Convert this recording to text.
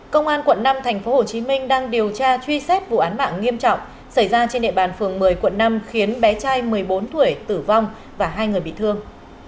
công an quận năm tp hcm đang điều tra truy xét vụ án mạng nghiêm trọng xảy ra trên địa bàn phường một mươi quận năm khiến bé trai một mươi bốn tuổi tử vong và hai người bị thương